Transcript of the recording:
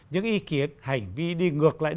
những ý kiến hành vi đi ngược lại